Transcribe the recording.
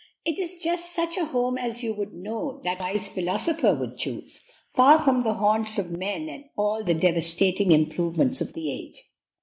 It is just such a home as you would know that wise philosopher would choose, far from the haunts of men and all the devastating improvements of the age.